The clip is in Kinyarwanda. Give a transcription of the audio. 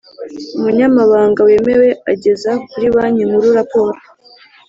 umunyamabanga wemewe ageza kuri Banki Nkuru raporo